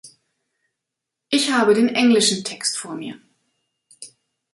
Ich haben den englischen Text vor mir.